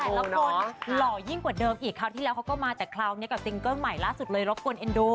คนหล่อยิ่งกว่าเดิมอีกคราวที่แล้วเขาก็มาแต่คราวนี้กับซิงเกิ้ลใหม่ล่าสุดเลยรบกวนเอ็นดู